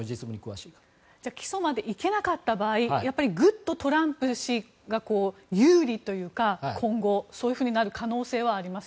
起訴まで行けなかった場合グっとトランプ氏が有利というかそうなる可能性はありますか。